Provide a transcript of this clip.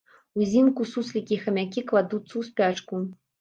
Узімку суслікі і хамякі кладуцца ў спячку.